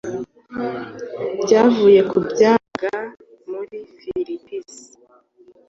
cyavuye ku byabaga muri Phillips